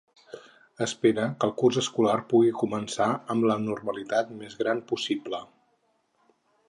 Espera que el curs escolar pugui començar amb la normalitat més gran possible.